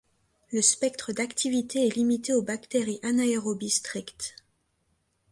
Le spectre d'activité est limité aux bactéries anaérobies strictes.